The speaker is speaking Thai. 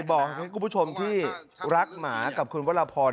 บอกให้คุณผู้ชมที่รักหมากับคุณวรพร